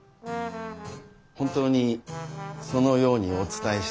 本当にそのようにお伝えして。